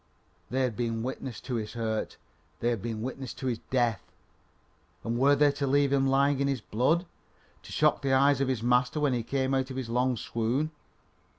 They had been witness to his hurt; they had been witness to his death, and were they to leave him lying in his blood, to shock the eyes of his master when he came out of his long swoon?